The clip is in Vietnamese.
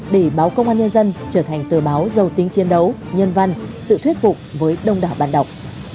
để báo công an nhân dân trở thành tờ báo giàu tính chiến đấu nhân văn sự thuyết phục với đông đảo bạn đọc